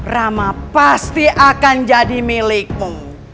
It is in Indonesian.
rama pasti akan jadi milikmu